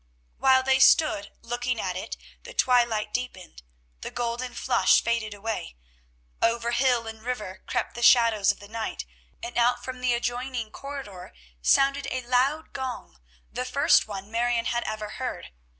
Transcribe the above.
While they stood looking at it the twilight deepened; the golden flush faded away. Over hill and river crept the shadows of the night, and out from the adjoining corridor sounded a loud gong, the first one Marion had ever heard.